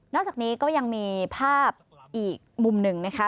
อกจากนี้ก็ยังมีภาพอีกมุมหนึ่งนะคะ